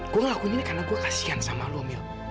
gue ngelakuin ini karena gue kasian sama lu mila